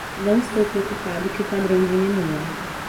Não estou preocupado que o padrão diminua.